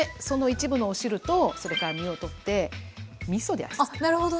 その一部のお汁とそれから身をとってみそで味つけ。